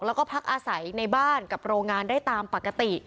แล้วก็พักอาศัยในบ้านกับโรงงานได้ตามปกติ